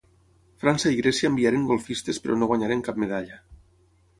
França i Grècia enviaren golfistes però no guanyaren cap medalla.